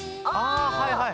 あはいはい。